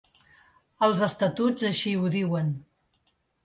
Els estatuts així ho diuen.